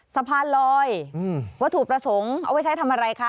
สะพานลอยวัตถุประสงค์เอาไว้ใช้ทำอะไรคะ